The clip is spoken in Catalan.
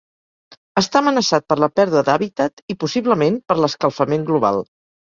Està amenaçat per la pèrdua d'hàbitat i, possiblement, per l'escalfament global.